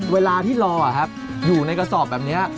เวลาที่รอครับอยู่ในกระสอบแบบนี้